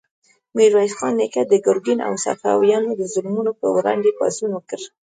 میرویس خان نیکه د ګرګین او صفویانو د ظلمونو په وړاندې پاڅون وکړ.